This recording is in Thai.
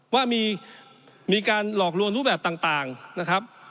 ว่ามีการหลอกลวงรูปแบบต่างนะครับ